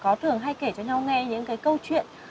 có thường hay kể cho nhau nghe những cái câu chuyện